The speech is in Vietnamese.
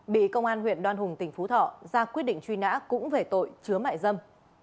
bị công an huyện đoan hùng tỉnh phú thọ ra quyết định truy nã cũng về tội chứa mại dâm